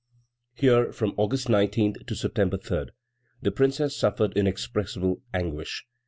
Here, from August 19 to September 3, the Princess suffered inexpressible anguish.